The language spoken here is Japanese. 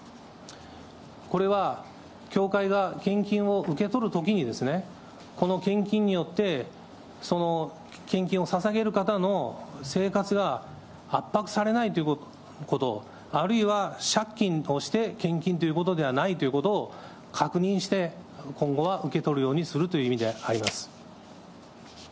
これは、教会が献金を受け取るときに、この献金によって、献金をささげる方の生活が圧迫されないということ、あるいは借金をして献金ということではないということを、確認して、今後は受け取るようにするという意味であります。